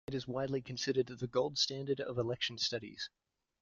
It is widely considered the "gold standard" of election studies.